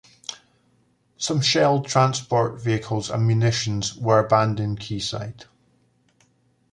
Some shelled transport vehicles and munitions where abandoned quayside.